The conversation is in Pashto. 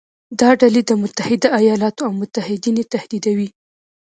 دا ډلې د متحده ایالاتو او متحدین یې تهدیدوي.